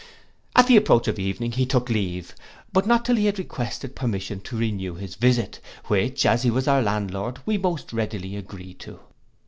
At the approach of evening he took leave; but not till he had requested permission to renew his visit, which, as he was our landlord, we most readily agreed to.